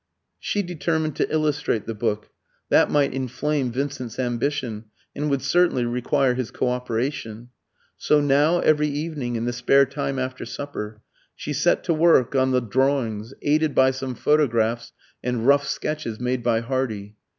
She determined to illustrate the book: that might inflame Vincent's ambition, and would certainly require his co operation. So now, every evening, in the spare time after supper, she set to work on the drawings, aided by some photographs and rough sketches made by Hardy.